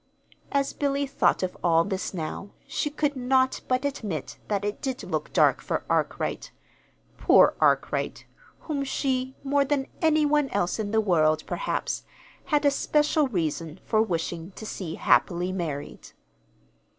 As Billy thought of all this now, she could not but admit that it did look dark for Arkwright poor Arkwright, whom she, more than any one else in the world, perhaps, had a special reason for wishing to see happily married.